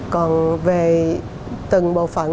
còn về từng bộ phận